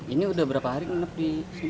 ini sudah berapa hari menutupi